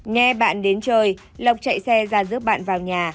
nghe bạn đến chơi lộc chạy xe ra dớt bạn vào nhà